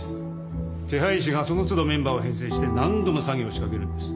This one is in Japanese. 手配師がその都度メンバーを編成して何度も詐欺を仕掛けるんです。